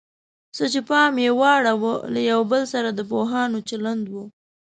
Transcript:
څه چې پام یې واړاوه له یو بل سره د پوهانو چلند و.